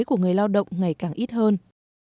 của người lao động ngày càng ít hơn